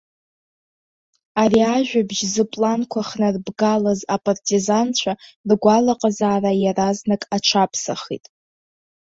Ари ажәабжь зыпланқәа хнарбгалаз апартизанцәа, ргәалаҟазаара иаразнак аҽаԥсахит.